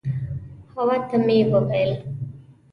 حوا ته مې وویل.